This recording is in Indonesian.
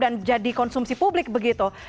dan jadi konsumsi publik begitu